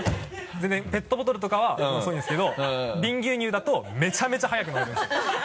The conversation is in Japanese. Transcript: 全然ペットボトルとかは遅いんですけどビン牛乳だとめちゃめちゃ早く飲めるんですよ。